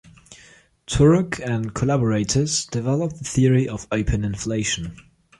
Turok and collaborators developed the theory of open inflation.